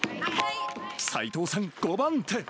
齋藤さん５番手。